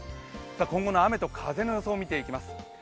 今後の雨と風の予想を見ていきます。